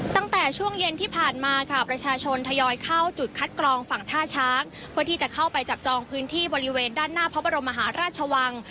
ตั้งแต่ช่วงเย็นที่ผ่านมาค่ะประชาชนทยอยเข้าจุดคัดกรองฝั่งท่าช้างเพื่อที่จะเข้าไปจับจองพื้นที่บริเวณด้านหน้าพระบรมมหาราชวัง